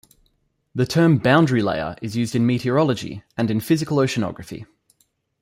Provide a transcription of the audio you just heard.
The term boundary layer is used in meteorology and in physical oceanography.